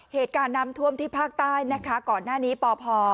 เหตุการณ์น้ำท่วมที่ภาคใต้นะคะก่อนหน้านี้ปพ